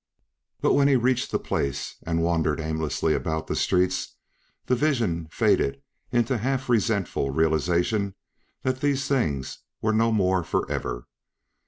But when he reached the place and wandered aimlessly about the streets, the vision faded into half resentful realization that these things were no more forever.